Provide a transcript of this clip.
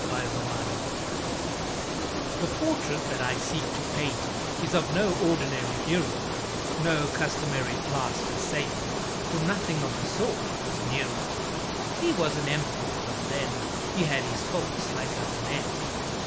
Nero The portrait that I seek to paint Is of no ordinary hero, No customary plaster saint, For nothing of the sort was Nero. (He was an Emperor, but then He had his faults like other men.)